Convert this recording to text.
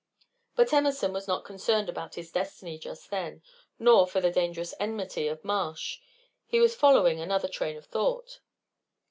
But Emerson was not concerned about his destiny just then, nor for the dangerous enmity of Marsh. He was following another train of thought.